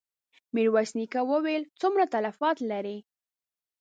ميرويس نيکه وويل: څومره تلفات لرې؟